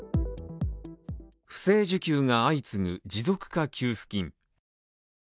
不正受給が相次ぐ持続化給付金。